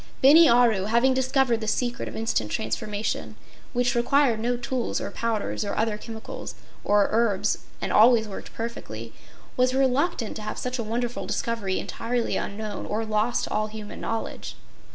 Bini Aru, having discovered the secret of instant transformation, which required no tools or powders or other chemicals or herbs and always worked perfectly, was reluctant to have such a wonderful discovery entirely unknown or lost to all human knowledge.